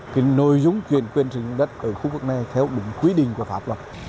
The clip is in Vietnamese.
cái nội dung chuyển quyền sử dụng đất ở khu vực này theo đúng quy định của pháp luật